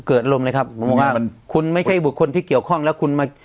อารมณ์เลยครับผมบอกว่ามันคุณไม่ใช่บุคคลที่เกี่ยวข้องแล้วคุณมา